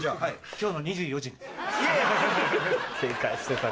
今日の２４時に。